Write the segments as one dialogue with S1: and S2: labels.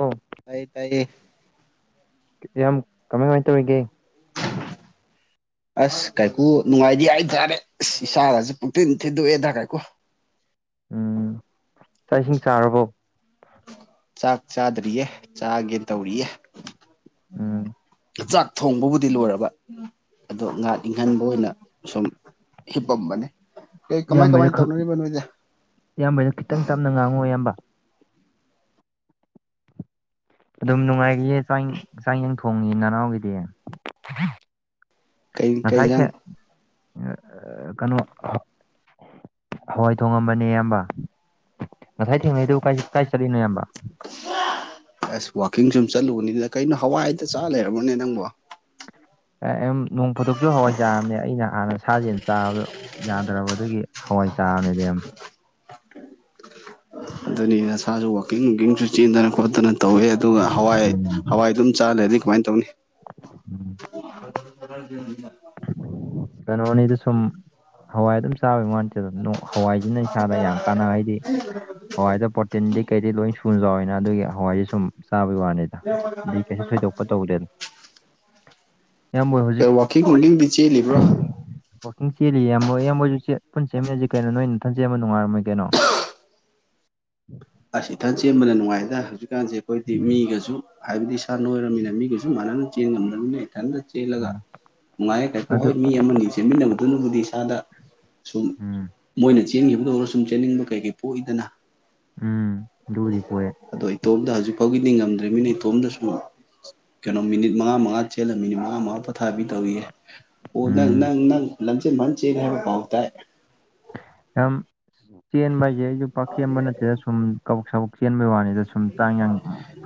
S1: ꯎꯝ
S2: ꯇꯥꯏ ꯇꯥꯏꯌꯦ
S1: ꯌꯥꯝ ꯀꯃꯥꯏ ꯀꯃꯥꯏ ꯇꯧꯔꯤꯒꯦ
S2: ꯑꯁ ꯀꯥꯏꯀꯨ ꯅꯨꯡꯉꯥꯏꯗꯤ ꯍꯥꯏꯇꯥꯔꯦ ꯏꯁꯥꯗꯁꯨ ꯄꯨꯛ ꯊꯤꯟ ꯊꯤꯟꯗꯣꯛꯑꯦꯗ ꯀꯥꯏꯀꯨ
S1: ꯎꯝ ꯆꯥꯛ ꯏꯁꯤꯡ ꯆꯥꯔꯕꯣ
S2: ꯆꯥꯛ ꯆꯥꯗ꯭ꯔꯤꯌꯦ ꯆꯥꯒꯦꯅ ꯇꯧꯔꯤꯌꯦ
S1: ꯎꯝ
S2: ꯆꯥꯛ ꯊꯣꯡꯕꯕꯨꯗꯤ ꯂꯣꯏꯔꯕ ꯑꯗꯣ ꯉꯥꯠ ꯏꯪꯍꯟꯕ ꯑꯣꯏꯅ ꯁꯨꯝ ꯍꯤꯞꯄꯝꯕꯅꯤ ꯀꯩ ꯀꯃꯥꯏ ꯀꯃꯥꯏꯅ ꯇꯧꯅꯔꯤꯕ ꯅꯣꯏꯁꯦ
S1: ꯏꯌꯥꯝꯕꯅ ꯈꯤꯇꯪ ꯇꯞꯅ ꯉꯥꯡꯉꯣ ꯏꯌꯥꯝꯕ ꯑꯗꯨꯝ ꯅꯨꯡꯉꯥꯏꯈꯤꯌꯦ ꯆꯥꯡ ꯆꯥꯡꯌꯦꯡ ꯊꯣꯡꯉꯤ ꯅꯅꯥꯎꯒꯤꯗꯤ
S2: ꯀ
S1: ꯉꯁꯥꯏ ꯊꯦ
S2: ꯀꯩꯪ
S1: ꯀꯩꯅꯣ ꯍꯋꯥꯏ ꯊꯣꯡꯉꯝꯕꯅꯦ ꯑꯌꯥꯝꯕ ꯉꯁꯥꯏ ꯊꯦꯡꯅꯩꯗꯨ ꯀ ꯀꯥꯏ ꯆꯠꯂꯤꯅꯣ ꯏꯌꯥꯝꯕ
S2: ꯑꯁ ꯋꯥꯋꯥꯛꯀꯤꯡ ꯁꯨꯝ ꯆꯠꯂꯨꯕꯅꯤꯗꯅ ꯀꯩꯅꯣ ꯍꯋꯥꯏꯗ ꯆꯥ ꯂꯩꯝꯔꯕꯅꯦ ꯅꯪꯕꯣ
S1: ꯑꯦ ꯑꯗꯨꯝ ꯅꯣꯡ ꯐꯥꯗꯣꯛꯁꯨ ꯍꯋꯥꯏ ꯆꯥꯝꯅꯦ ꯑꯩꯅ ꯍꯥꯟꯅ ꯁꯥ ꯌꯦꯜ ꯆꯥꯕꯗꯣ ꯌꯥꯗ꯭ꯔꯕ ꯑꯗꯨꯒꯤ ꯍꯋꯥꯏ ꯆꯥꯔꯕꯅꯦꯗ ꯏꯌꯥꯝ
S2: ꯑꯗꯨꯅꯤ ꯅꯁꯥꯁꯨ ꯋꯥꯛꯀꯤꯡ ꯋꯀꯤꯡꯁꯨ ꯆꯦꯟꯗꯅ ꯈꯣꯠꯇꯅ ꯇꯧꯋꯦ ꯑꯗꯨꯒ ꯍꯋꯥꯏ ꯍꯋꯥꯏ ꯑꯗꯨꯝ ꯆꯥꯍꯜꯂꯗꯤ ꯀꯃꯥꯏꯅ ꯇꯧꯅꯤ [unintelligible] [inaudible]
S1: ꯀꯩꯅꯣꯅꯤꯗꯤ ꯁꯨꯝ ꯍꯋꯥꯏ ꯑꯗꯨꯝ ꯆꯥꯋ ꯃꯥꯟꯇꯦ ꯍꯋꯥꯏꯁꯤꯅ ꯏꯁꯥꯗ ꯌꯥꯝ ꯀꯥꯟꯅꯕ ꯍꯥꯏꯗꯤ ꯍꯋꯥꯏꯗ ꯇꯤꯟꯗꯩꯩ ꯀꯩꯗꯩꯩ ꯂꯣꯏ ꯁꯨꯅ ꯆꯥꯎꯋꯤꯅ ꯑꯗꯨꯒꯤ ꯍꯋꯥꯏꯖꯤ ꯁꯨꯝ ꯆꯥꯕꯒꯤ ꯋꯥꯅꯤ ꯑ ꯀꯩꯁꯨ ꯊꯣꯏꯗꯣꯛꯄ ꯇꯧꯗꯦꯅ ꯌꯥꯝꯃꯣꯏ ꯍꯧꯖꯤꯛ ꯍꯧꯖꯤꯛ
S2: ꯀꯦ ꯂꯩꯕ꯭ꯔꯣ
S1: ꯋꯥꯛꯀꯤꯡ ꯆꯦꯜꯂꯤ ꯌꯥꯝꯕ ꯏꯌꯥꯝꯕꯣꯏꯁꯨꯛꯦ ꯄꯨꯟ ꯆꯦꯦꯟꯃꯤꯟꯅꯁꯤ ꯀꯩꯅꯣ ꯅꯅ ꯊꯟꯖ ꯌꯥꯝꯕ ꯅꯨꯡꯉꯥꯏꯔꯝꯃ ꯀꯩꯅꯣ
S2: ꯑꯁ ꯏꯊꯟ ꯁꯦꯝꯕꯅ ꯅꯨꯡꯉꯥꯏꯗ ꯍꯧꯖꯤꯛꯀꯥꯟꯁꯦ ꯑꯩꯈꯣꯏꯗꯤ ꯃꯤꯒꯁꯨ ꯍꯥꯏꯕꯗꯤ ꯏꯁ ꯅꯣꯏꯔꯃꯤꯅ ꯃꯤꯒꯁꯨ ꯃꯥꯟꯅꯅ ꯆꯦꯟ ꯉꯝꯗꯅꯤꯅ ꯏꯊꯟꯅ ꯆꯦꯜꯂꯒ
S1: ꯎꯝ
S2: ꯅꯨꯡꯉꯥꯏꯔꯦ ꯀꯥꯏꯄꯣ
S1: ꯑꯗꯨ
S2: ꯍꯣꯏ ꯃꯤ ꯑꯃꯅꯤ ꯁꯦꯝꯃꯤꯟꯅꯕꯗꯨꯅꯕꯨꯗꯤ ꯏꯁꯥꯗ ꯁꯨꯝ
S1: ꯎꯝ
S2: ꯃꯣꯏꯅ ꯆꯦꯟꯈꯤꯕꯗ ꯑꯣꯏꯔ ꯁꯨꯝ ꯆꯦꯟꯅꯤꯡꯕ ꯀꯩꯀꯩ ꯄꯣꯛꯏꯗꯅ
S1: ꯎꯝ ꯑꯗꯨꯕꯨꯗꯤ ꯄꯣꯛꯑꯦ
S2: ꯑꯗꯣ ꯏꯇꯣꯝꯗ ꯍꯧꯖꯤꯛ ꯐꯥꯎꯒꯤꯗꯤ ꯉꯝꯗ꯭ꯔꯤꯕꯃꯤꯅ ꯏꯇꯣꯝꯗꯁꯨꯨꯝ ꯀꯩꯅꯣ ꯃꯤꯅꯤꯠ ꯃꯉꯥ ꯃꯉꯥ ꯆꯦꯜꯂ ꯃꯤꯅꯤꯠ ꯃꯉꯥ ꯃꯉꯥ ꯄꯣꯊꯥꯕꯤ ꯇꯧꯏꯌꯦ ꯑꯣ ꯅꯪ
S1: ꯎꯝ
S2: ꯅꯪ ꯅꯪ ꯂꯝꯖꯦꯟ ꯐꯟ ꯆꯦꯜꯂꯦ ꯍꯥꯏꯕ ꯄꯥꯎ ꯇꯥꯏ
S1: ꯌꯥꯝ ꯆꯦꯟꯕ ꯍꯥꯏꯁꯦ ꯑꯩꯁꯨ ꯄꯥꯛꯆꯦꯟꯕ ꯅꯠꯇꯦꯗ ꯁꯨꯝ ꯀꯕꯛ ꯁꯕꯛ ꯆꯦꯟꯕꯩ ꯋꯥꯅꯤꯗ ꯁꯨꯝ ꯆꯥꯡ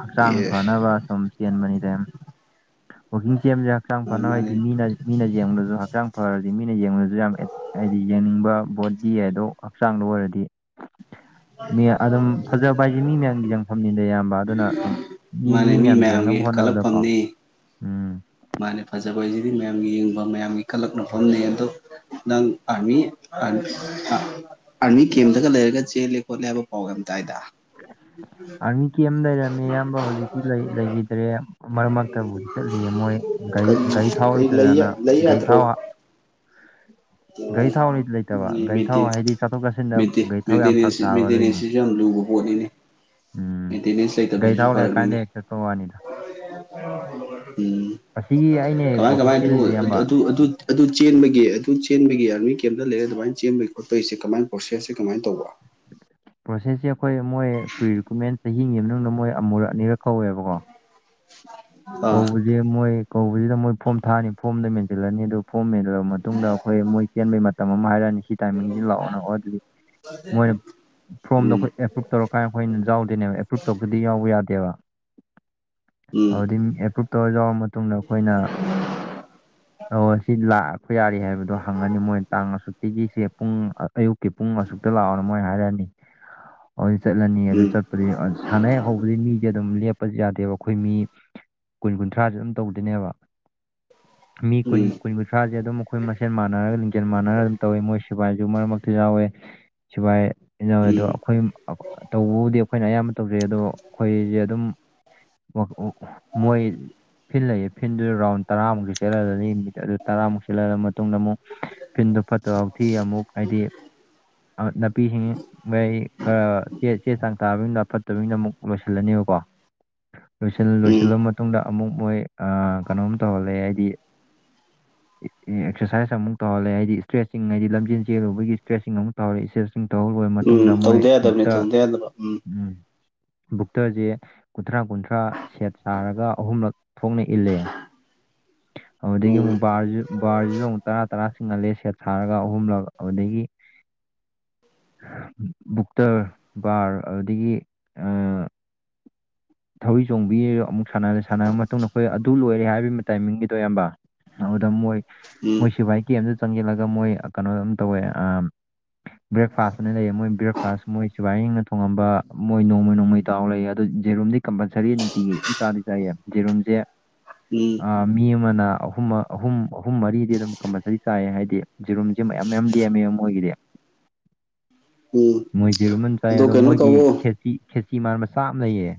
S1: ꯍꯛꯆꯥꯡ
S2: ꯑꯦ
S1: ꯐꯅꯕ ꯁꯨꯝ ꯆꯦꯟꯕꯅꯤꯗ ꯋꯥꯛꯀꯤꯡ ꯆꯦꯟꯕꯖꯦ ꯍꯛꯆꯥꯡ ꯐꯅꯕ
S2: ꯃꯥꯅꯦ
S1: ꯍꯥꯏꯗꯤ ꯃꯤꯅ ꯃꯤꯅ ꯌꯦꯡꯕꯗꯖꯨ ꯍꯛꯆꯥꯡ ꯐꯔꯗꯤ ꯃꯤꯅ ꯌꯦꯡꯕꯗꯖꯨ ꯌꯥꯝ ꯍꯥꯏꯗꯤ ꯌꯦꯡꯅꯤꯡꯕ ꯕꯣꯗꯤ ꯍꯥꯏꯗꯣ ꯍꯛꯆꯥꯡꯗ ꯑꯣꯏꯔꯗꯤ ꯃꯤ ꯑꯗꯨꯝ ꯐꯖꯕ ꯍꯥꯏꯁꯦ ꯃꯤ ꯃꯌꯥꯝꯒꯤ ꯌꯦꯡꯐꯝꯅꯤꯗ ꯑꯌꯥꯝꯕ ꯑꯗꯨꯅ ꯁꯨꯝ ꯃꯤ ꯃꯤ ꯃꯌꯥꯝ ꯌꯦꯡꯅꯕ ꯍꯣꯠꯅꯕꯗ
S2: ꯐꯪꯉꯤ ꯃꯥꯅꯦ ꯐꯖꯕ ꯍꯥꯏꯁꯤꯗꯤ ꯃꯌꯥꯝꯒꯤ ꯌꯦꯡꯕ ꯃꯌꯥꯝꯒꯤ ꯀꯜꯂꯛꯅꯐꯝꯅꯤ ꯑꯗꯣ ꯅꯪ ꯐꯪꯏ ꯑꯁ ꯑꯥꯔꯃꯤ ꯀꯦꯝꯇꯒ ꯂꯩꯔꯒ ꯆꯦꯜꯂꯦ ꯈꯣꯠꯂꯦ ꯍꯥꯏꯕ ꯄꯥꯎ ꯌꯥꯝ ꯇꯥꯏꯗ
S1: [inaudible] ꯑꯥꯔꯃꯤ ꯀꯦꯝ ꯂꯩꯔꯝꯃꯦ ꯏꯌꯥꯝꯕ ꯍꯧꯖꯤꯛꯇꯤ ꯂꯩ ꯂꯩꯈꯤꯗ꯭ꯔꯦ ꯃꯔꯛ ꯃꯔꯛꯇꯕꯨꯗꯤ ꯆꯠꯂꯤꯌꯦ ꯃꯣꯏ ꯒꯥꯔꯤ
S2: ꯀꯔꯤ
S1: ꯒꯥꯔꯤ ꯊꯥꯎ
S2: ꯀꯔꯤ ꯂꯩ
S1: ꯂꯩꯇꯗꯅ
S2: ꯂꯩ
S1: ꯒꯥꯔꯤ ꯊꯥꯎ ꯒꯥꯔꯤ ꯊꯥꯎ
S2: ꯑꯣ
S1: ꯂꯩꯇꯕ ꯒꯥꯔꯤ
S2: ꯃꯦꯠꯇꯦ
S1: ꯊꯥꯎ ꯍꯥꯏꯗꯤ ꯆꯠꯊꯣꯛ ꯆꯠꯁꯤꯟꯗ
S2: ꯃꯦꯠꯇꯦ
S1: ꯒꯥꯔꯤ ꯊꯥꯎ ꯌꯥꯝ ꯐꯔꯛ
S2: ꯃꯦꯟꯇꯦꯅꯦꯁꯤ
S1: ꯇꯥꯕ ꯑꯗꯨꯏꯅꯦ
S2: ꯃꯦꯟꯇꯦꯅꯦꯁꯤ ꯌꯥꯝ ꯂꯨꯕ ꯄꯣꯠꯅꯤꯅꯤ
S1: ꯎꯝ
S2: ꯃꯦꯟꯇꯦꯅꯦꯟꯁ
S1: ꯒꯥꯔꯤ
S2: ꯂꯩꯇꯕꯁꯤꯁꯨ
S1: ꯊꯥꯎ
S2: ꯐꯔꯛꯅꯤꯅꯦ
S1: ꯂꯩꯔꯀꯥꯟꯗ ꯍꯦꯛ ꯆꯠꯄ ꯋꯥꯅꯤꯗ
S2: ꯎꯝ
S1: ꯑꯁꯤꯒꯤ ꯑꯩꯅ ꯍꯦꯛ
S2: ꯀꯃꯥꯏ
S1: ꯋꯥꯛꯀꯤꯡ
S2: ꯀꯃꯥꯏ ꯇꯨ
S1: ꯆꯦꯜꯂꯤꯁꯦ
S2: ꯑꯗꯨ
S1: ꯏꯌꯥꯝꯕ
S2: ꯑꯗꯨ ꯑꯗꯨ ꯑꯗꯨ ꯆꯦꯟꯕꯒꯤ ꯑꯗꯨ ꯆꯦꯟꯕꯒꯤ ꯑꯥꯔꯃꯤ ꯀꯦꯝꯇ ꯂꯩꯔ ꯑꯗꯨꯃꯥꯏ ꯆꯦꯟꯕꯒꯤ ꯈꯣꯠꯄꯒꯤꯁꯦ ꯀꯃꯥꯏꯅ ꯄ꯭ꯔꯣꯁꯦꯁꯁꯦ ꯀꯃꯥꯏ ꯇꯧꯕ
S1: ꯄ꯭ꯔꯣꯁꯦꯁꯁꯦ ꯑꯩꯈꯣꯏ ꯃꯣꯏ ꯄ꯭ꯔꯤꯔꯤꯀꯨꯃꯦꯟ ꯆꯍꯤꯒꯤ ꯃꯅꯨꯡꯗ ꯃꯣꯏ ꯑꯃꯨꯔꯛ ꯑꯅꯤꯔꯛ ꯀꯧꯋꯦꯕꯀꯣ
S2: ꯑꯥ
S1: ꯀꯧꯕꯖꯦ ꯃꯣꯏ ꯀꯧꯕꯁꯤꯗ ꯃꯣꯏ ꯐꯣꯔꯝ ꯊꯥꯔꯅꯤ ꯐꯣꯝꯗ ꯃꯦꯟꯁꯤꯜꯂꯅꯤ ꯑꯗꯨꯒ ꯐꯣꯝ ꯃꯦꯟ ꯂꯕ ꯃꯇꯨꯡꯗ ꯑꯩꯈꯣꯏ ꯃꯣꯏ ꯆꯦꯟꯕꯩ ꯃꯇꯝ ꯑꯃ ꯍꯥꯏꯔꯅꯤ ꯁꯤ ꯇꯥꯏꯃꯤꯡꯁꯤ ꯂꯥꯛꯑꯣꯅꯣ ꯑꯗꯨꯗꯤ ꯃꯣꯏꯅ ꯐ꯭ꯔꯣꯝꯗ
S2: ꯎꯝ
S1: ꯑꯩꯈꯣꯏ ꯑꯦꯄ꯭ꯔꯨꯞ ꯇꯧꯔꯀꯥꯏ ꯑꯩꯈꯣꯏꯅ ꯌꯥꯎꯗꯣꯏꯅꯦꯕ ꯑꯦꯄ꯭ꯔꯨꯞ ꯇꯧꯗꯗꯤ ꯌꯥꯎꯕ ꯌꯥꯗꯦꯕ
S2: ꯎꯝ
S1: ꯁꯤꯝ ꯑꯦꯄ꯭ꯔꯨꯞ ꯇꯧꯔ ꯌꯥꯎꯔꯕ ꯃꯇꯨꯡꯗ ꯑꯩꯈꯣꯏꯅ ꯑꯣ ꯁꯤ ꯂꯥꯛ ꯌꯥꯔꯤ ꯍꯥꯏꯕꯗꯣ ꯍꯪꯉꯅꯤ ꯃꯣꯏ ꯇꯥꯡ ꯑꯁꯨꯨꯛꯇꯤꯒꯤꯁꯦ ꯄꯨꯡ ꯑꯌꯨꯛꯀꯤ ꯄꯨꯡ ꯑꯁꯨꯛꯇ ꯂꯥꯛꯑꯣ ꯃꯣꯏ ꯍꯥꯏꯔꯛꯑꯅꯤ [unintelligible] ꯍꯧꯖꯤꯛ ꯆꯠꯂꯅꯤ ꯑꯗꯨ
S2: ꯎꯝ
S1: ꯆꯠꯄꯗꯤ ꯁꯥꯟꯅ ꯍꯦꯛ ꯍꯧꯕꯗꯩ ꯃꯤꯖꯦ ꯑꯗꯨꯝ ꯂꯦꯞꯄꯁꯨ ꯌꯥꯗꯦꯕ ꯑꯩꯈꯣꯏ ꯃꯤ ꯀꯨꯟ ꯀꯨꯟꯊ꯭ꯔꯥꯥꯖꯦ ꯑꯗꯨꯝ ꯇꯧꯗꯣꯏꯅꯦꯕ ꯃꯤ ꯀꯨꯟ
S2: ꯎꯝ
S1: ꯀꯨꯟ ꯀꯨꯟꯊ꯭ꯔꯥꯁꯦ ꯑꯗꯨꯝ ꯑꯩꯈꯣꯏ ꯃꯁꯦꯟ ꯃꯥꯟꯅꯔꯒ ꯂꯤꯡꯖꯦꯜ ꯃꯥꯟꯅꯔꯒ ꯑꯗꯨꯝ ꯇꯧꯋꯦ ꯃꯣꯏ ꯁꯤꯕꯥꯥꯏꯁꯨ ꯃꯔꯛ ꯃꯔꯛꯇ ꯌꯥꯎꯋꯦ ꯁꯤꯕꯥꯏ ꯏꯟꯅꯧꯋꯦꯗꯣ
S2: ꯎꯝ
S1: ꯑꯩꯈꯣꯏꯍꯨꯝ ꯑꯈꯣ ꯇꯧꯕꯕꯨꯗꯤ ꯑꯩꯈꯣꯏꯅ ꯑꯌꯥꯝꯕ ꯇꯧꯖꯩ ꯑꯗꯣ ꯑꯩꯈꯣꯏꯖꯦ ꯑꯗꯨꯝ [unintelligible] ꯃꯣꯏ ꯐꯤꯜ ꯂꯩꯌꯦ ꯐꯤꯟꯗꯨ ꯔꯥꯎꯟ ꯇꯔꯥꯃꯨꯛꯁꯨ ꯆꯦꯜꯂꯜꯂꯅꯤ ꯃꯤ ꯑꯗꯨ ꯇꯔꯥꯃꯨꯛ ꯆꯦꯜꯂꯜꯂ ꯃꯇꯨꯡꯗ ꯑꯃꯨꯛ ꯐꯤꯟꯗꯣ ꯐꯠꯇ ꯍꯥꯎꯊꯤ ꯑꯃꯨꯛ ꯍꯥꯏꯗꯤ ꯅꯥꯄꯤꯁꯤꯡ ꯃꯩ ꯈꯔ ꯆꯦ ꯆꯥꯡ ꯇꯥꯕꯩꯅ ꯐꯠꯇꯕꯒꯩꯅ ꯑꯃꯨꯛ ꯂꯣꯏꯁꯤꯜꯂꯅꯦꯕꯀꯣ ꯂꯣꯏꯁꯤꯜ
S2: ꯎꯝ
S1: ꯂꯣꯏꯁꯤꯜꯂꯕ ꯃꯇꯨꯡꯗ ꯑꯃꯨꯛ ꯃꯣꯏ ꯑ ꯀꯩꯅꯣꯝ ꯇꯧꯍꯜꯂꯦ ꯍꯥꯏꯗꯤ [inaudible] ꯑꯦ ꯑꯦꯛꯁꯔꯁꯥꯏꯁ ꯑꯃꯨꯛ ꯇꯧꯍꯜꯂꯦ ꯍꯥꯏꯗꯤ ꯏꯁꯇꯔ꯭ꯦꯆꯤꯡ ꯍꯥꯏꯗꯤ ꯂꯝꯖꯦꯜ ꯆꯦꯜꯂꯨꯕꯒꯤ ꯏꯁꯇ꯭ꯔꯦꯠꯁꯤꯡ ꯑꯃꯨꯛ ꯇꯧꯔꯦ ꯏꯁ ꯆꯤꯡ ꯇꯧ ꯂꯣꯏꯔ ꯃꯇꯨꯡꯗ
S2: ꯎꯝ
S1: ꯃꯣꯏ
S2: ꯇꯧꯗ ꯌꯥꯗꯕꯅꯦ
S1: ꯑꯃꯨꯛꯇ
S2: ꯇꯧꯗ ꯌꯥꯗꯕ ꯎꯝ
S1: ꯎ ꯕꯨꯛꯇꯔꯖꯦ ꯀꯨꯟꯊ꯭ꯔꯥ ꯀꯨꯟꯊ꯭ꯔꯥ ꯁꯦꯠ ꯁꯥꯔꯒ ꯑꯍꯨꯝꯂꯛ ꯊꯣꯛꯅ ꯏꯜꯂꯦ ꯑꯗꯨꯗꯒꯤ
S2: ꯎꯝ
S1: ꯑꯃꯨꯛ ꯕꯥꯔꯖꯨ ꯕꯥꯔꯖꯤꯖꯨ ꯑꯃꯨꯛ ꯇꯔꯥ ꯇꯔꯥ ꯆꯤꯡꯍꯜꯂꯦ ꯁꯦꯠ ꯁꯥꯔꯒ ꯑꯍꯨꯝꯂꯛ ꯑꯗꯨꯗꯒꯤ ꯕꯨꯛꯇꯔ ꯕꯥꯔ ꯑꯗꯨꯗꯒꯤ ꯑ ꯊꯧꯔꯤ ꯆꯣꯡꯕꯤ ꯑꯃꯨꯛ ꯁꯅꯍꯜꯂꯦ ꯁꯥꯟꯅꯔ ꯃꯇꯨꯡꯗ ꯑꯩꯈꯣꯏ ꯑꯗꯨ ꯂꯣꯏꯔꯦ ꯍꯥꯏꯕꯒꯤ ꯑꯃ ꯇꯥꯏꯃꯤꯡꯒꯤꯗꯣ ꯏꯌꯥꯝꯕ ꯑꯗꯨꯗ ꯃꯣꯏ
S2: ꯎꯝ
S1: ꯃꯣꯏ ꯁꯤꯕꯥꯏ ꯀꯦꯝꯗꯨꯗ ꯆꯪꯖꯤꯜꯂꯒ ꯃꯣꯏ ꯀꯩꯅꯣꯝ ꯇꯧꯋꯦ ꯑꯝ ꯕ꯭ꯔꯦꯛꯐꯥꯁ ꯑꯅ ꯂꯩꯌꯦ ꯃꯣꯏ ꯕ꯭ꯔꯦꯛꯐꯥꯁ ꯃꯣꯏ ꯁꯤꯕꯥꯥꯏꯁꯤꯡꯅ ꯊꯣꯡꯉꯝꯕ ꯃꯣꯏ ꯅꯣꯡꯃꯩ ꯅꯣꯡꯃꯩ ꯆꯥꯎ ꯂꯩꯌꯦ ꯑꯗꯣ ꯖꯦꯔꯨꯝꯗꯤ ꯀꯝꯄꯜꯁꯔꯤ ꯅꯨꯡꯇꯤꯒꯤ ꯑꯗꯨꯝ ꯆꯥꯗꯤ ꯆꯥꯏꯌꯦ ꯖꯦꯔꯨꯝꯖꯦ
S2: ꯏ
S1: ꯑ ꯃꯤ ꯑꯃꯅ ꯑꯍꯨꯝ ꯑꯍꯨꯝ ꯑꯍꯨꯝ ꯃꯔꯤꯗꯤ ꯑꯗꯨꯝ ꯀꯝꯄꯜꯁꯔꯤ ꯆꯥꯏꯌꯦ ꯍꯥꯏꯗꯤ ꯖꯤꯔꯨꯝ ꯖꯦ ꯃꯌꯥꯝ ꯃꯌꯥꯝ ꯂꯦꯝꯃꯦ ꯃꯣꯏꯒꯤꯗꯤ
S2: ꯎꯝ
S1: ꯃꯣꯏ ꯖꯦꯔꯨꯝ ꯌꯥꯝ ꯆꯥꯏ ꯑꯗꯣ
S2: ꯀꯩꯅꯣ
S1: ꯃꯣꯏꯒꯤ
S2: ꯇꯧꯋꯣ
S1: ꯈꯦꯆꯤ ꯈꯦꯆꯤꯃꯥꯟꯕ ꯆꯥꯛ ꯑꯃ ꯂꯩꯌꯦ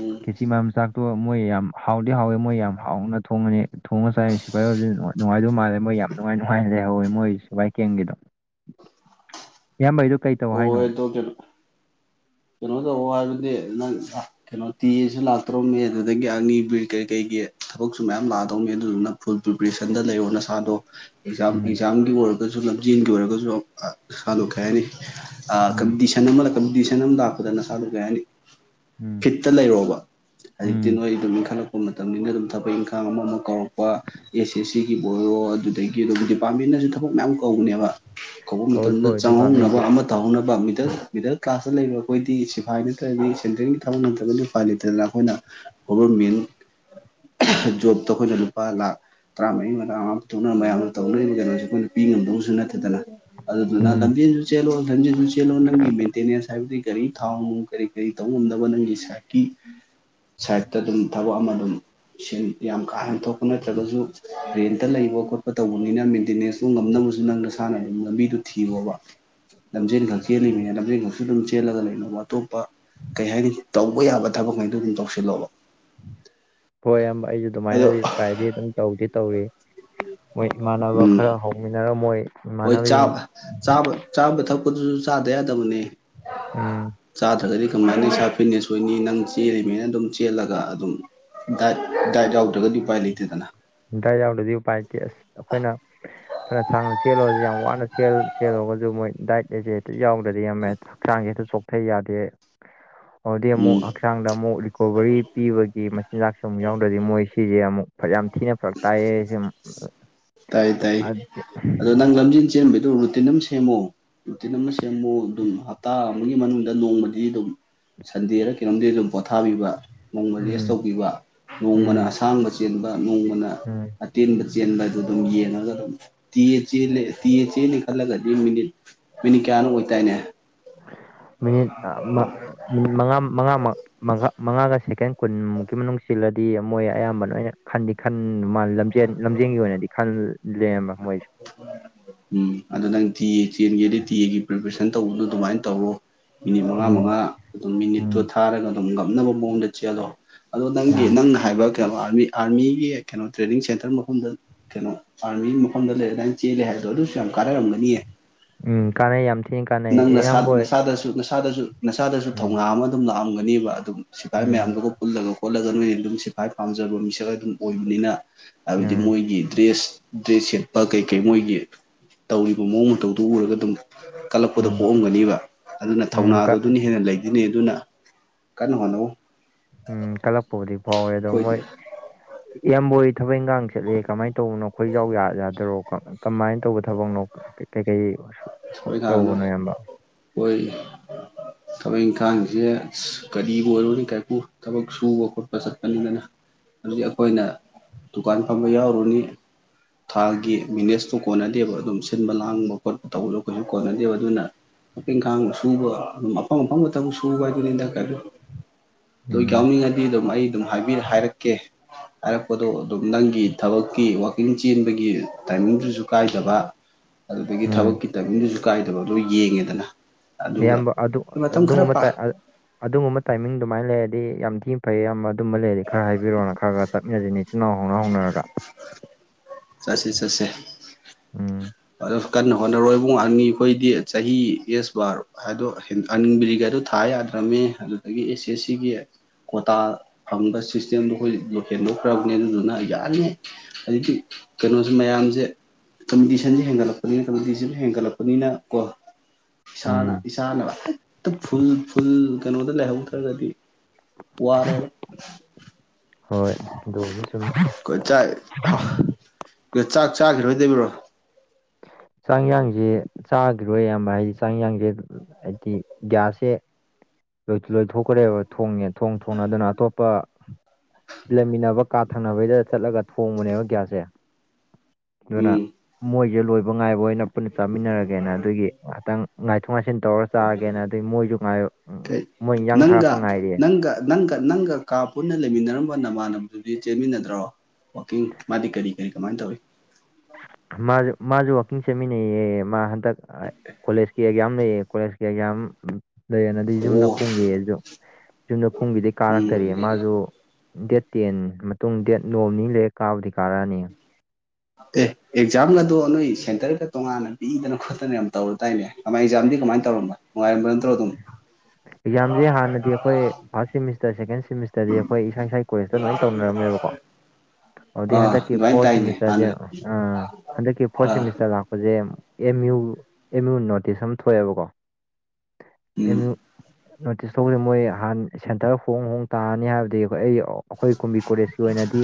S2: ꯎꯝ
S1: ꯀꯦꯆꯤ ꯃꯥꯟꯕ ꯆꯥꯛꯇꯣ ꯃꯣꯏ ꯌꯥꯝ ꯍꯥꯎꯗꯤ ꯍꯥꯎꯋꯦ ꯃꯣꯏ ꯌꯥꯝ ꯍꯥꯎꯅ ꯊꯣꯡꯉꯅꯤ ꯊꯣꯡꯉ ꯆꯥꯏꯔꯤꯁꯤ ꯁꯤꯐꯥꯏ ꯑꯣꯏꯕꯖꯦ ꯅꯨꯡꯉꯥꯏꯗꯧ ꯃꯥꯜꯂꯦ ꯃꯣꯏ ꯌꯥꯝ ꯅꯨꯡꯉꯥꯏ ꯅꯨꯡꯉꯥꯏꯅ ꯂꯩꯍꯧꯑꯦ ꯃꯣꯏ ꯁꯤꯐꯥꯏ ꯀꯦꯝꯒꯤꯗꯣ ꯏꯌꯥꯝꯕꯩꯗꯣ ꯀꯩ ꯇꯧ ꯍꯥꯏꯅꯣ
S2: [unintelligible] ꯀꯩꯅꯣꯗꯧꯑꯣ ꯍꯥꯏꯕꯗꯨꯗꯤ ꯅꯪ ꯑ ꯀꯩꯅꯣ ꯇꯤ ꯑꯦ ꯁꯨ ꯂꯥꯛꯇꯧꯔꯝꯃꯤ ꯑꯗꯨꯗꯒꯤ ꯑꯅꯤ ꯕ꯭ꯔꯤ ꯀꯩ ꯀꯩꯒꯤ ꯊꯕꯛꯁꯨ ꯃꯌꯥꯝ ꯂꯥꯛꯑꯗꯧꯅꯤ ꯑꯗꯨꯗꯨꯅ ꯐꯨꯜ ꯄ꯭ꯔꯤꯄꯔꯦꯁꯟꯗ ꯂꯩꯑꯣ ꯅꯁꯥꯗꯣ ꯑꯦꯛꯖꯥꯝ
S1: ꯎꯝ
S2: ꯑꯦꯛꯖꯥꯝꯒꯤ ꯑꯣꯏꯔꯒꯖꯨ ꯂꯝꯖꯦꯟꯒꯤ ꯑꯣꯏꯔꯒꯖꯨ ꯑ ꯅꯁꯥꯗꯣ ꯀꯩꯍꯥꯏꯅꯤ ꯑ
S1: ꯎꯝ
S2: ꯀꯝꯄꯤꯇꯤꯁꯟ ꯑꯃ ꯀꯝꯄꯤꯇꯤꯁꯟ ꯑꯃ ꯂꯥꯛꯄꯗ ꯅꯁꯥꯗꯨ ꯀꯩ ꯍꯥꯏꯅꯤ
S1: ꯎꯝ
S2: ꯐꯤꯠꯇ ꯂꯩꯔꯣꯕ ꯍꯧꯖꯤꯛꯇꯤ
S1: ꯎꯝ
S2: ꯅꯣꯏ ꯑꯗꯨꯝ ꯏꯟꯈꯜꯂꯛ ꯄ ꯃꯇꯝꯅꯤꯅ ꯑꯗꯨꯝ ꯊꯕꯛ ꯏꯪꯈꯥꯡ ꯑꯃ ꯑꯃ ꯀꯧꯔꯛꯄ ꯑꯦꯁ ꯑꯦꯁ ꯁꯤꯒꯤꯕꯨ ꯑꯣꯏꯔꯣ ꯑꯗꯨꯗꯒꯤ ꯑꯗꯨꯒ ꯗꯤꯄꯥꯔꯠꯃꯦꯟꯅꯁꯨ ꯊꯕꯛ ꯃꯌꯥꯝ ꯀꯧꯕꯅꯦꯕ ꯀꯧꯕ
S1: ꯀꯧꯏ
S2: ꯃꯇꯝꯗ
S1: ꯀꯧꯏ
S2: ꯆꯪꯍꯧꯅꯕ
S1: ꯗꯤꯄꯥꯔꯠꯃꯦꯟꯒꯤ
S2: ꯑꯃ ꯇꯧꯍꯧꯅꯕ ꯃꯤꯗꯜ ꯃꯤꯗꯜ ꯀ꯭ꯂꯥꯁꯇ ꯂꯩꯕ ꯑꯩꯈꯣꯏꯗꯤ ꯁꯤ ꯐꯥꯏ ꯅꯠꯇ꯭ꯔꯒꯗꯤ ꯁꯦꯟꯇ꯭ꯔꯦꯜꯒꯤ ꯊꯕꯛ ꯅꯠꯇ꯭ꯔꯒꯗꯤ ꯎꯐꯥꯏ ꯂꯩꯇꯗꯅ ꯑꯩꯈꯣꯏꯅ ꯒꯣꯕꯔꯃꯦꯟ ꯖꯣꯕꯇ‌ꯣ ꯑꯩꯈꯣꯏꯅ ꯂꯨꯄꯥ ꯂꯥꯈ ꯇꯔꯥꯃꯔꯤ ꯃꯉꯥ ꯃꯉꯥ ꯄꯨꯊꯣꯛꯅꯔ ꯃꯌꯥꯝ ꯇꯧꯅꯔꯤꯕ ꯀꯩꯅꯣꯁꯦ ꯑꯩꯈꯣꯏꯅ ꯄꯤ ꯉꯝꯕꯁꯨ ꯅꯠꯇꯦꯗꯅ ꯑꯗꯨꯗꯨꯅ
S1: ꯎꯝ
S2: ꯂꯝꯕꯤ ꯆꯦꯜꯂꯣ ꯂꯝꯖ‌ꯦꯜꯁꯨ ꯆꯦꯜꯂꯣ ꯅꯪꯒꯤ ꯃꯦꯟꯇꯦꯅꯦꯟꯁ ꯍꯥꯏꯕꯗꯤ ꯒꯥꯔꯤ ꯊꯥꯎ ꯅꯨꯡ ꯀꯔꯤ ꯀꯔꯤ ꯇꯧ ꯉꯝꯅꯕ ꯅꯪꯒꯤ ꯁꯥꯏꯠ ꯀꯤ ꯁꯥꯏꯠꯇ ꯑꯗꯨꯝ ꯊꯕꯛ ꯑꯃ ꯑꯗꯨꯝ ꯌꯥꯝ ꯀꯥ ꯍꯦꯟꯅ ꯊꯣꯛꯄ ꯅꯠꯇ꯭ꯔꯒꯁꯨ ꯔꯦꯟꯇ ꯂꯩꯕ ꯈꯣꯠꯄ ꯇꯧꯕꯅꯤꯅ ꯃꯦꯟꯇꯦꯅꯦꯟꯁꯇꯣ ꯉꯝꯅꯕꯁꯨ ꯅꯪ ꯅꯁꯥꯅ ꯑꯗꯨꯝ ꯂꯝꯕꯤꯗ‌ꯣ ꯊꯤꯔꯣꯕ
S1: [unintelligible]
S2: ꯂꯝꯖꯦꯟꯈꯛ ꯆꯦꯜꯂꯤꯃꯤꯅꯦ ꯂꯝꯖꯦꯜ ꯈꯛꯁꯨ ꯑꯗꯨꯝ ꯆꯦꯜꯂ ꯂꯩꯅꯣ ꯑꯇꯣꯞ ꯄꯥꯥ ꯀꯩ ꯍꯥꯏꯅꯤ ꯇꯧꯕ ꯌꯥꯕ ꯊꯕꯛꯉꯩꯗꯣ ꯑꯗꯨꯝ ꯇꯧꯁꯤꯜꯂꯣꯕ
S1: ꯍꯣꯏ ꯏꯌꯥꯝꯕ ꯑꯩꯖꯨ
S2: ꯑꯗꯣ
S1: ꯑꯗꯨꯃꯥꯏꯅꯗꯤ ꯇ꯭ꯔꯥꯏꯗꯤ ꯑꯗꯨꯝ ꯇꯧꯗꯤ ꯇꯧꯔꯤ ꯃꯣꯏ ꯏꯃꯥꯟꯅꯕ
S2: ꯎꯝ
S1: ꯈꯔ ꯍꯧ ꯍꯧꯃꯤꯟꯅꯔ ꯃꯣꯏ
S2: ꯍꯣꯏ
S1: ꯏꯃꯥꯟꯅꯕꯁꯤꯡ
S2: ꯆꯥꯕ ꯆꯥꯕ ꯆꯥꯕ ꯊꯛꯄꯗꯨꯁꯨ ꯆꯥꯗ ꯌꯥꯗꯕꯅꯦ
S1: ꯎꯝ
S2: ꯆꯥꯗ꯭ꯔꯒꯗꯤ ꯀꯃꯥꯏꯅ ꯏꯁꯥ ꯐꯤꯟꯅ‌ꯦꯁ ꯑꯣꯏꯅꯤ ꯅꯪ ꯆꯦꯜꯂꯤꯃ‌ꯦꯅ ꯑꯗꯨꯝ ꯆꯦꯜꯂꯒ ꯑꯗꯨꯝ ꯗꯥꯏꯠ ꯗꯥꯏꯠ ꯌꯥꯎꯗ꯭ꯔꯒꯗꯤ ꯎꯄꯥꯏ ꯂꯩꯇꯦꯗꯅ
S1: ꯗꯥꯏꯠ ꯌꯥꯎꯗ꯭ꯔꯗꯤ ꯎꯄꯥꯏ ꯂꯩꯇꯦ ꯑꯁ ꯑꯩꯈꯣꯏꯅ ꯐꯅ ꯁꯥꯡꯅ ꯆꯦꯜꯂꯨꯔꯁꯨꯦ ꯌꯥꯝ ꯋꯥꯅ ꯆꯦꯜꯂꯨꯔꯒꯁꯨ ꯃꯣꯏ ꯗꯥꯏꯠ ꯑꯁꯦ ꯍꯦꯛꯇ ꯌꯥꯎ ꯌꯥꯝꯃꯦ ꯍꯛꯆꯥꯡꯁ ꯍꯦꯛꯇ ꯆꯣꯛꯊꯩ ꯌꯥꯗꯦ ꯑꯣꯗꯤ ꯑꯃꯨꯛ
S2: ꯎꯝ
S1: ꯍꯛꯆꯥꯡꯗ ꯑꯃꯨꯛ ꯔꯤꯀꯣꯕꯔꯤ ꯄꯤꯕꯒꯤ ꯃꯆꯤꯟꯖꯥꯛꯁꯨ ꯑꯃꯨꯛ ꯌꯥꯎꯗ꯭ꯔꯗꯤ ꯃꯣꯏ ꯁꯤꯁꯦ ꯑꯃꯨꯛ ꯐ ꯌꯥꯝ ꯊꯤꯅ [unintelligible]
S2: ꯇꯥꯏ ꯇꯥꯏ ꯑꯗꯣ ꯅꯪ ꯂꯝꯖꯦꯟ ꯆꯦꯟꯕꯩꯗꯨ ꯔꯨꯇꯤꯟ ꯑꯝ ꯁꯦꯝꯃꯣ [unintelligible] ꯁꯦꯝꯃꯣ ꯑꯗꯨꯝ ꯍꯥꯞ ꯇꯥ ꯑꯃꯒꯤ ꯃꯅꯨꯡꯗ ꯅꯣꯡꯃꯗꯤ ꯑꯗꯨꯝ ꯁꯟꯗꯦꯔ ꯀꯩꯅꯣꯝꯗꯦ ꯑꯗꯨꯝ ꯄꯣꯊꯥꯕꯤꯕ ꯅꯣꯡꯃ ꯔꯦꯁ
S1: ꯎꯝ
S2: ꯇꯧꯕꯤꯕ ꯅꯣꯡꯃꯅ
S1: ꯎꯝ
S2: ꯑꯁꯥꯡꯕ ꯆꯦꯟꯕ ꯅꯣꯡꯃꯅ
S1: ꯎꯝ
S2: ꯑꯇꯦꯟꯕ ꯆꯦꯟꯕ ꯑꯗꯨ ꯑꯗꯨꯝ ꯌꯦꯡꯉꯒ ꯑꯗꯨꯝ ꯇꯌꯦ ꯆꯦ ꯇꯌꯦ ꯆꯦꯟꯂꯦ ꯈꯜꯂꯒꯗꯤ ꯃꯤꯅꯤꯠ ꯃꯤꯅꯤꯠ ꯀꯌꯥꯅꯣ ꯑꯣꯏꯇꯥꯏꯅꯦ
S1: ꯃꯤꯅꯤꯠ ꯃꯤꯅꯤꯠ ꯃꯉꯥ ꯃꯉꯥ ꯃꯉꯥꯃꯛ ꯃꯉꯥꯒ ꯁꯦꯀꯦꯟ ꯀꯨꯟꯃꯨꯛꯀꯤ ꯃꯅꯨꯡ ꯁꯤꯜꯂꯗꯤ ꯃꯣꯏ ꯑꯌꯥꯝꯕ ꯂꯣꯏꯅ ꯈꯟꯗꯤ ꯈꯟ ꯃꯥ ꯂꯝꯖꯦꯟ ꯂꯝꯖꯦꯟꯒꯤ ꯑꯣꯏꯅꯗꯤ ꯈꯟ ꯂ‌ꯦꯝꯕ ꯃꯣꯏꯁ
S2: ꯎꯝ ꯑꯗꯨ ꯅꯪ ꯇꯤꯑꯦ ꯆꯦꯟꯒꯦꯗꯤ ꯇꯤꯑꯦꯒꯤ ꯄ꯭ꯔꯤꯄꯦꯔꯦꯁꯟ ꯇꯧꯕꯗ‌ꯣ ꯑꯗꯨꯃꯥꯏꯅ ꯇꯧꯋ‌ꯣ ꯃꯤꯅꯤꯠ ꯃꯉꯥ
S1: ꯎꯝ
S2: ꯃꯉꯥ ꯑꯗꯨꯝ ꯃꯤꯅꯤꯠꯇꯨ
S1: ꯎꯝ
S2: ꯊꯥꯔꯒ ꯑꯗꯨꯝ ꯉꯝꯅꯕ ꯃꯑꯣꯡꯗ ꯆꯦꯜꯂꯣ ꯑꯗꯣ ꯅꯪꯒꯤ
S1: ꯎꯝ
S2: ꯅꯪꯅ ꯍꯥꯏꯕ ꯀꯩꯅꯣ ꯑꯥꯔꯃꯤ ꯑꯥꯔꯃꯤꯒꯤ ꯀꯩꯅꯣ ꯇ꯭ꯔꯦꯅꯤꯡ ꯁꯦꯟꯇꯔ ꯃꯐꯝꯗ ꯀꯩꯅꯣ ꯑꯥꯔꯃꯤꯒꯤ ꯃꯐꯝꯗ ꯂꯩꯔ ꯑꯗꯥꯏ ꯆꯦꯜꯂꯦ ꯍꯥꯏꯕꯗꯣ ꯑꯗꯨꯁꯨ ꯌꯥꯝ ꯀꯥꯟꯅꯔꯝꯒꯅꯤꯑ‌ꯦ
S1: ꯎꯝ ꯀꯥꯟꯅꯩ ꯌꯥꯝ ꯊꯤꯅ ꯀꯥꯟꯅꯩ
S2: ꯅꯪ ꯅꯁꯥ
S1: ꯑꯌꯥꯝꯕ
S2: [unintelligible]
S1: ꯑꯣꯏ
S2: ꯅꯁꯥꯗꯁꯨ ꯅꯁꯥꯗꯁꯨ
S1: ꯎꯝ
S2: ꯊꯧꯅꯥ ꯑꯃ ꯑꯗꯨꯝ ꯂꯥꯛꯑꯝꯒꯅꯦꯕ ꯑꯗꯨꯝ ꯁꯤꯐꯥꯏ ꯃꯌꯥꯝꯗꯨꯒ ꯄꯨꯜꯂꯒ ꯈꯣꯠꯂꯒ ꯅꯣꯏ ꯑꯗꯨꯝ ꯁꯤꯐꯥꯏ ꯄꯥꯝꯖꯕ ꯃꯤꯁꯛ ꯑꯗꯨꯝ ꯑꯣꯏꯕꯅꯤꯅ
S1: ꯎꯝ
S2: ꯍꯥꯏꯕꯗꯤ
S1: ꯎꯝ
S2: ꯃꯣꯏꯒꯤ ꯗ꯭ꯔꯦꯁ ꯗ꯭ꯔꯦꯁ ꯁꯦꯠꯄ ꯀꯩ ꯀꯩ ꯃꯣꯏꯒꯤ ꯇꯧꯔꯤꯕ ꯃꯑꯣꯡ ꯃꯇꯧꯗꯨ ꯎꯔꯒ ꯑꯗꯨꯝ ꯀꯠꯂꯛꯄꯗ
S1: ꯎꯝ
S2: ꯄꯣꯛꯑꯝꯒꯅꯤꯕ ꯑꯗꯨꯅ
S1: ꯎꯝ
S2: ꯊꯧꯅꯥꯗꯣ
S1: ꯀ
S2: ꯑꯗꯨꯅ ꯍꯦꯟꯅ ꯂꯩꯗꯤꯅꯦ ꯑꯗꯨꯅ ꯀꯟꯅ ꯍꯣꯠꯅꯧ
S1: ꯎꯝ ꯀꯂꯛꯄꯕꯨꯗꯤ ꯐꯥꯎꯋꯦ ꯑꯗꯣ
S2: ꯑꯩꯈꯣꯏꯗꯤ
S1: ꯃꯣꯏ ꯏꯌꯥꯝꯕꯣꯏ ꯊꯕꯛ ꯏꯪꯈꯥꯡ ꯆꯠꯂꯦ ꯀꯃꯥꯏꯅ ꯇꯧꯕꯅꯣ ꯑꯩꯈꯣꯏ ꯏꯖꯥꯎ ꯌꯥ ꯌꯥꯗꯔꯣ ꯀꯃꯥꯏꯅ ꯇꯧꯕ ꯊꯕꯛꯅꯣ [unintelligible]
S2: ꯊꯣꯏ ꯀꯅ
S1: ꯇꯧꯕꯅꯣ ꯏꯌꯥꯝꯕ
S2: ꯑꯣꯏ ꯊꯕꯛ ꯏꯪꯈꯥꯡꯁꯦ ꯑ ꯀꯔꯤꯕꯨ ꯑꯣꯏꯔꯣꯅꯤ ꯀꯥꯏꯄꯨ ꯊꯕꯛ ꯁꯨꯕ ꯈꯣꯠꯄ ꯆꯠꯄꯅꯤꯗꯅ ꯑꯗꯨꯗꯤ ꯑꯩꯈꯣꯏꯅ ꯗꯨꯀꯥꯟ ꯐꯝꯕ ꯌꯥꯎꯔꯨꯅꯤ ꯊꯥꯒꯤ ꯃꯤꯅꯦꯁꯇꯣ ꯀꯣꯟꯅꯗꯦꯕ ꯑꯗꯨꯝ ꯁꯤꯟꯕ ꯂꯥꯡꯕ ꯈꯣꯠꯄ ꯇꯧꯕꯗꯣ ꯀꯩꯁꯨ ꯀꯣꯟꯅꯗꯦꯕ ꯑꯗꯨꯅ [unintelligible] ꯈꯥꯡꯕ ꯁꯨꯕ ꯑꯗꯨꯝ ꯃꯐꯝꯪ ꯑꯐꯝꯪꯕ ꯃꯇꯝꯕ ꯁꯨꯕ ꯍꯥꯏꯗꯨꯅꯤꯟꯗꯀ
S1: ꯎꯝ
S2: ꯌꯥꯎꯅꯤꯡꯉꯗꯤ ꯑꯗꯨꯝ ꯑꯩ ꯑꯗꯨꯝ [unintelligible] ꯍꯥꯏꯔꯛꯀꯦ ꯍꯥꯏꯔꯛꯄꯗꯣ ꯑꯗꯨꯝ ꯅꯪꯒꯤ ꯊꯕꯛꯀꯤ ꯋꯀꯤꯡ ꯆꯦꯟꯕꯒꯤ ꯇꯥꯏꯃꯤꯡꯗꯨꯁꯨ ꯀꯥꯏꯗꯕ
S1: [inaudible]
S2: ꯑꯗꯨꯗꯒꯤ
S1: ꯎꯝ
S2: ꯊꯕꯛꯀꯤ ꯇꯥꯏꯕꯤꯡꯗꯨꯁꯨ ꯀꯥꯏꯗꯕ ꯑꯗꯨ ꯌꯦꯡꯉꯦꯗꯅ ꯑꯗꯨꯒ
S1: ꯏꯌꯥꯝꯕ ꯑꯗꯨ
S2: ꯃꯇꯝ ꯈꯔ
S1: ꯑꯗꯨꯒꯨꯝꯕ
S2: ꯄꯥ
S1: ꯇꯥꯏ ꯑꯗꯨꯒꯨꯝꯕ ꯇꯥꯏꯃꯤꯡ ꯑꯗꯨꯃꯥꯏꯅ ꯂꯩꯔꯗꯤ ꯌꯥꯝ ꯊꯤꯅ ꯐꯩ ꯌꯥꯝ ꯑꯗꯨꯝꯕ ꯂꯩꯔꯗꯤ ꯈꯔ ꯍꯥꯏꯕꯤꯔꯛꯑꯣꯅ ꯈꯔ ꯈꯔ ꯆꯠꯃꯤꯟꯅꯁꯤꯅꯦ ꯏꯆꯤ ꯏꯅꯥꯎ ꯍꯧꯅ ꯍꯧꯅꯔꯒ
S2: ꯆꯠꯁꯦ ꯆꯠꯁꯦ
S1: ꯎꯝ
S2: ꯀꯟꯅ ꯍꯣꯠꯅꯔꯣꯏ [unintelligible] ꯅꯤ ꯑꯩꯈꯣꯏꯗꯤ ꯆꯍꯤ ꯑꯦꯁ ꯕꯥꯔ ꯍꯥꯏꯗꯣ ꯑꯟꯕꯤꯔꯤꯒꯗꯣ ꯊꯥ ꯌꯥꯗ꯭ꯔꯕꯃꯦ ꯑꯗꯨꯗꯒꯤ ꯑꯦꯁ ꯑꯦꯁ ꯁꯤꯒꯤ ꯀꫭꯇꯥ ꯐꯪꯕ ꯁꯤꯁꯇꯦꯝꯗꯣ ꯑꯩꯈꯣꯏ ꯂꯣ ꯍꯦꯟꯗꯣꯛꯈ꯭ꯔꯕꯅꯦ ꯑꯗꯨꯗꯨꯅ ꯌꯥꯅꯤ ꯍꯧꯗꯤ ꯀꯩꯅꯣꯁꯦ ꯃꯌꯥꯝꯁꯦ [unintelligible] [unintelligible] ꯍꯦꯟꯒꯠꯂꯛꯄꯅꯤꯅ ꯀꯣ ꯏꯁꯥꯅ
S1: ꯎꯝ
S2: ꯏꯆꯥꯅꯦ ꯍꯦꯛꯇ ꯐꯨꯜ ꯐꯨꯜ ꯀꯩꯅꯣꯗ ꯂꯩꯍꯧꯗ꯭ꯔꯒꯗꯤ ꯋꯥꯔꯦꯕ
S1: ꯍꯣꯏ ꯑꯗꯨꯒꯤ ꯁꯨꯝ
S2: ꯑꯩꯈꯣꯏ ꯆꯥꯛ ꯆꯥꯛ ꯆꯥꯈꯤꯔꯣꯏꯗꯕꯤꯔꯣ
S1: ꯆꯥꯡꯌꯥꯡꯁꯦ ꯆꯥꯈꯤꯔꯣꯏ ꯑꯌꯥꯝꯕ ꯍꯥꯏꯗꯤ ꯆꯥꯡꯌꯥꯡꯁꯦ ꯍꯥꯏꯗꯤ ꯒꯌꯥꯁꯦ ꯂꯣꯏꯊꯣꯛꯈ꯭ꯔꯦꯕ ꯊꯣꯡꯉꯦ ꯊꯣꯡ ꯊꯣꯡꯅ ꯑꯗꯨꯅ ꯑꯇꯣꯞꯄ ꯂꯩꯃꯤꯟꯅꯕ ꯀꯥ ꯊꯪꯅꯕꯩꯗ ꯆꯠꯂꯒ ꯊꯣꯡꯕꯅꯦꯕ ꯒꯤꯌꯥꯁꯁꯦ ꯑꯗꯨꯅ
S2: ꯎꯝ
S1: ꯃꯣꯏꯒꯤꯗ ꯂꯣꯏꯕ ꯉꯥꯏꯕꯑꯣꯏꯅ ꯄꯨꯟꯅ ꯆꯥꯃꯤꯟꯅꯔꯒꯦꯅ ꯑꯗꯨꯒꯤ ꯉꯍꯥꯛꯇꯪ ꯉꯥꯏꯊꯣꯛ ꯉꯥꯏꯁꯤꯟ ꯇꯧꯔ ꯆꯥꯒꯦꯅ ꯑꯗꯨꯏ ꯃꯣꯏꯁꯨ ꯉꯥꯏ
S2: ꯀꯩ
S1: ꯃꯣꯏ ꯏꯟꯁꯥꯡ
S2: ꯅꯪꯒ
S1: ꯊꯥꯔꯛꯄ ꯉꯥꯏꯔꯤꯌꯦ
S2: ꯅꯪꯒ ꯅꯪꯒ ꯅꯪꯒ ꯀꯥ ꯄꯨꯟꯅ ꯂꯩꯃꯤꯟꯅꯔꯝꯕ ꯅꯃꯥꯟꯅꯕꯗꯨꯗꯤ ꯆꯦꯟꯃꯤꯟꯅꯗ꯭ꯔꯣ ꯋꯥꯛꯀꯤꯡ ꯃꯥꯗꯤ ꯀꯔꯤ ꯀꯔꯤ ꯀꯃꯥꯏꯟ ꯇꯧꯋꯤ
S1: ꯃꯥꯁꯨ ꯃꯥꯁꯨ ꯋꯥꯛꯀꯤꯡ ꯆꯦꯟꯃꯤꯟꯅꯩꯌꯦ ꯃꯥ ꯍꯟꯗꯛ ꯀꯣꯂꯦꯖꯀꯤ ꯑꯦꯛꯖꯥꯝ ꯂꯩꯌꯦ ꯀꯣꯂꯦꯖꯀꯤ ꯑꯦꯛꯖꯥꯝ ꯂꯩꯌꯦꯅꯗꯤ ꯌꯨꯝꯗ
S2: ꯑꯣ
S1: ꯀꯨꯝꯒꯤꯌꯦ ꯑꯩꯖꯨ [unintelligible] ꯀꯨꯝꯒꯤꯗꯩ
S2: ꯎꯝ
S1: ꯀꯥꯔꯛꯇꯔꯤ ꯃꯥꯁꯨ ꯗꯦꯠ ꯇꯦꯟ ꯃꯇꯨꯡ ꯗꯦꯠ ꯅꯣꯡꯃꯅꯤ ꯂꯩꯔ ꯀꯥꯕꯨꯗꯤ ꯀꯥꯔꯛꯑꯅꯤ
S2: ꯑꯦ ꯑꯦꯛꯖꯥꯝꯒ ꯑꯗꫭ ꯅꯣꯏ ꯁꯦꯟꯇꯔꯒ ꯇꯣꯉꯥꯟꯅ ꯄꯤꯗꯅ ꯈꯣꯠꯇꯅ ꯌꯥꯝ ꯇꯧꯔꯨꯗꯥꯥꯏꯅꯦ ꯀꯃꯥꯏꯅ ꯑꯦꯛꯖꯥꯝꯗꯤ ꯀꯃꯥꯏꯅ ꯇꯧꯔꯝꯕ ꯅꯨꯡꯉꯥꯏꯝꯕ ꯅꯠꯇ꯭ꯔꯣ ꯑꯗꯨꯝ
S1: ꯑꯦꯛꯖꯥꯝꯁꯦ ꯍꯥꯟꯅꯗꯤ ꯑꯩꯈꯣꯏ ꯐꯥꯔꯁꯠ ꯁꯦꯃꯤꯁꯇꯔ ꯁꯦꯀꯦꯟ ꯁꯤꯃꯤꯁ ꯇꯗꯤ ꯑꯩꯈꯣꯏ ꯏꯁꯥ ꯏꯁꯥ ꯀꯣꯂꯁꯇ ꯂꯣꯏꯅ ꯇꯧꯅꯔꯝꯃꯦꯕꯀꯣ ꯑꯗꯨꯗꯤ
S2: ꯑꯥ
S1: ꯍꯟꯗꯛꯀꯤ
S2: ꯑꯗꯨꯃꯥꯏꯅ
S1: ꯐꯣꯔ
S2: ꯇꯥꯏꯅꯦ ꯍꯥꯟꯅ
S1: ꯁꯦꯃꯤꯁꯇꯔꯁꯦ ꯍꯟꯗꯛꯀꯤ ꯐꯣꯔ
S2: ꯑꯥ
S1: ꯁꯦꯃꯤꯁꯇꯔ ꯂꯥꯛꯄꯁꯦ M U M U notice ꯑꯃ ꯊꯣꯛꯑꯦꯕꯀꯣ
S2: ꯎꯝ
S1: ꯑꯦꯝ ꯌꯨ ꯅꯣꯇꯤꯁ ꯊꯣꯛꯄꯩ ꯃꯣꯏ ꯍꯥꯟ ꯁꯦꯟꯇꯔ ꯍꯣꯡ ꯍꯣꯡ ꯇꯥꯔꯅꯤ ꯍꯥꯏꯕꯗꯤ ꯑꯩꯈꯣꯏ ꯑꯩ ꯑꯩꯈꯣꯏ ꯀꯨꯝꯕꯤ ꯀꯣꯂꯦꯖꯀꯤ ꯑꯣꯏꯅꯗꯤ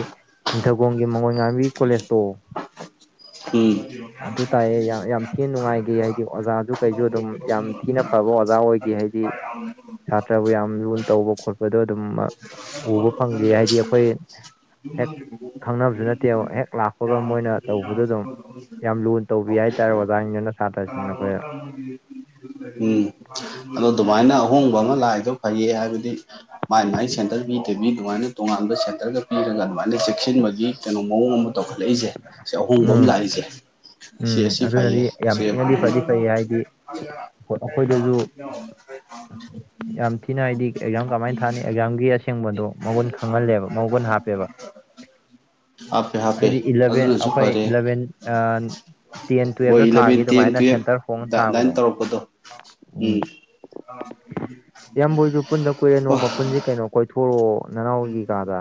S1: ꯅꯤꯡꯊꯧꯈꯣꯡꯒꯤ ꯃꯉꯣꯟ ꯉꯥꯟꯕꯤ ꯀꯣꯂꯦꯖꯇꯣ
S2: ꯎꯝ
S1: ꯑꯗꯨ ꯇꯥꯏꯌꯦ ꯌꯥꯝ ꯌꯥꯝ ꯊꯤꯅ ꯅꯨꯡꯉꯥꯏꯈꯤ ꯍꯥꯏꯗꯤ ꯑꯣꯖꯥꯁꯨ ꯀꯩꯁꯨ ꯑꯗꯨꯝ ꯌꯥꯝ ꯊꯤꯅ ꯐꯕ ꯑꯣꯖꯥ ꯑꯣꯏꯒꯤ ꯍꯥꯏꯗꯤ
S2: [unintelligible]
S1: ꯁꯥꯇ꯭ꯔꯕꯨ ꯌꯥꯝ ꯂꯨꯅ ꯇꯧꯕ ꯈꯣꯠꯄꯗꯣ ꯑꯗꯨꯝ ꯎꯕ ꯐꯪꯈꯤ ꯍꯥꯏꯗꯤ ꯑꯩꯈꯣꯏ ꯍꯦꯛ ꯈꯪꯅꯕꯁꯨ ꯅꯠꯇꯦ ꯍꯦꯛ ꯂꯥꯛꯄꯒ ꯃꯣꯏꯅ ꯇꯧꯕꯗꯣ
S2: [unintelligible]
S1: ꯑꯗꯨꯝ ꯌꯥꯝ ꯂꯨꯅ ꯇꯧꯕꯤ ꯍꯥꯏꯇꯥꯔꯦ ꯑꯣꯖꯥꯖꯤꯡꯗꯨꯅ
S2: ꯎꯝ ꯑꯗꯣ ꯗꯨꯃꯥꯏꯅ ꯑꯍꯣꯡꯕ ꯑꯃ ꯂꯥꯛꯏꯗꯣ ꯐꯩꯌꯦ ꯍꯥꯏꯕꯗꯤ ꯃꯥꯥꯏ ꯃꯥꯏ ꯁꯦꯟꯇꯔ ꯄꯤꯗꯕꯤ ꯑꯗꯨꯃꯥꯏꯅ ꯇꯣꯉꯥꯟꯕ ꯁꯦꯟꯇꯔꯒ ꯄꯤꯔꯒ ꯑꯗꯨꯃꯥꯏꯅ ꯆꯦꯛꯁꯤꯟꯕꯒꯤ ꯀꯩꯅꯣ ꯃꯑꯣꯡ ꯑꯃ ꯇꯧꯈꯠꯂꯛꯏꯁꯦ ꯁꯤ ꯑꯍꯣꯡꯕ ꯑꯃ
S1: ꯎꯝ
S2: ꯂꯥꯛꯏꯁꯦ ꯁꯤ
S1: ꯎꯝ
S2: ꯑꯁꯤ ꯐꯩꯌꯦ
S1: ꯑꯗꯨꯅꯗꯤ ꯌꯥꯝ ꯊꯤꯅꯗꯤ ꯐꯗꯤ ꯐꯩ ꯍꯥꯏꯗꯤ
S2: [unintelligible]
S1: ꯑꯩꯈꯣꯏꯗꯁꯨ ꯌꯥꯝ ꯊꯤꯅ ꯍꯥꯏꯗꯤ ꯑꯦꯛꯖꯥꯝ ꯀꯃꯥꯏꯅ ꯊꯥꯅꯤ
S2: [unintelligible]
S1: ꯑꯦꯛꯖꯥꯝꯒꯤ ꯑꯁꯦꯡꯕꯗꯣ ꯃꯒꯨꯟ ꯈꯪꯍꯜꯂꯦꯕ ꯃꯒꯨꯟ ꯍꯥꯞꯄꯦꯕ
S2: ꯍꯥꯞꯄꯦ ꯍꯥꯞꯄꯦ
S1: ꯏꯂꯥꯕꯦꯟ
S2: ꯑꯗꯨꯅꯁꯨ
S1: ꯑꯩꯈꯣꯏ
S2: ꯐꯔꯦ
S1: ꯏꯂꯥꯕꯦꯟ ꯑ ꯇꯦꯟ
S2: ꯍꯣꯏ
S1: ꯇꯨꯌꯦꯞꯇ ꯊꯥ__
S2: ꯏꯂꯚꯦꯟ ꯇꯦꯟ ꯇꯨꯌꯦꯞ ꯇ ꯑꯗꯏꯟ ꯇꯧꯔꯛꯄꯗꯣ ꯎꯝ
S1: ꯏꯌꯥꯝꯕꯣꯏꯁꯨ ꯄꯨꯟꯗ ꯀꯨꯏꯔꯦ
S2: [unintelligible] ꯑꯣ
S1: [unintelligible] ꯀꯩꯅꯣ ꯀꯣꯏꯊꯣꯔꯛꯑꯣ ꯅꯅꯥꯎꯒꯤ ꯀꯥꯗ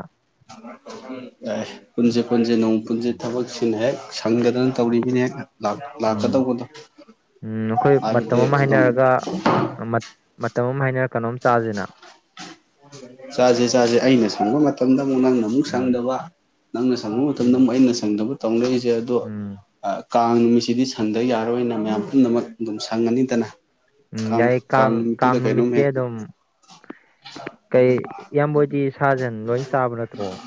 S2: ꯄꯨꯟꯖꯦ ꯄꯨꯟꯖꯦ ꯅꯣꯡꯃ ꯄꯨꯟꯖꯤ ꯊꯕꯛꯁꯤꯅ ꯍꯦꯛ ꯁꯪꯗꯗꯅ ꯇꯧꯔꯤꯅꯤꯅꯦ ꯂꯥꯛ
S1: ꯎꯝ
S2: ꯂꯛꯀꯗꯧꯕꯗꯣ
S1: ꯎꯝ ꯑꯩꯈꯣꯏ ꯃꯇꯝ ꯑꯃ ꯍꯥꯏꯅꯔꯒ ꯃꯇꯝ ꯑꯃ ꯍꯥꯏꯅꯔ ꯀꯩꯅꯣꯝ ꯆꯥꯁꯤꯅ
S2: ꯆꯥꯁꯦ ꯆꯥꯁꯦ ꯑꯩꯅ ꯁꯪꯕ ꯃꯇꯝꯗ ꯑꯃꯨꯛ ꯅꯪꯅ ꯑꯃꯨꯛ
S1: ꯎꯝ
S2: ꯁꯪꯗꯕ ꯅꯪꯅ ꯁꯪꯕ ꯃꯇꯝꯗ
S1: ꯎꯝ
S2: ꯑꯃꯨꯛ ꯑꯩꯅ ꯁꯪꯗꯕ ꯇꯧꯅꯩꯖꯦ ꯑꯗꯣ
S1: ꯎꯝ
S2: ꯀꯥꯡ ꯅꯨꯃꯤꯠꯁꯤꯗꯤ ꯁꯪꯗ ꯌꯥꯔꯣꯏꯅ ꯃꯌꯥꯝ ꯄꯨꯝꯅꯃꯛ ꯑꯗꯨꯝ ꯁꯪꯉꯅꯤꯗꯅ
S1: ꯎꯝ
S2: ꯈꯪ
S1: ꯌꯥꯏꯌꯦ
S2: ꯀꯥꯡ ꯅꯨꯃꯤꯠꯇꯨꯗ
S1: ꯅꯨꯃꯤꯠꯁꯦ
S2: ꯀꯩꯅꯣꯝꯍꯦꯛ
S1: ꯑꯗꯨꯝ ꯀꯩ ꯏꯌꯥꯝꯕ ꯍꯣꯏꯗꯤ
S2: [inaudible]
S1: ꯁꯥ ꯖꯦꯟ ꯂꯣꯏ ꯆꯥꯕ ꯅꯠꯇ꯭ꯔꯣ